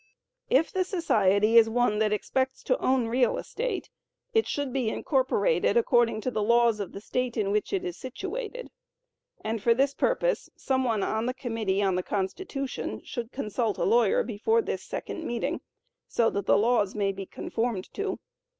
If the society is one that expects to own real estate, it should be incorporated according to the laws of the state in which it is situated, and for this purpose, some one on the committee on the Constitution should consult a lawyer before this second meeting, so that the laws may be conformed to.